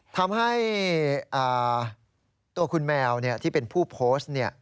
ทำให้ตัวคุณแมวที่เป็นผู้โพสต์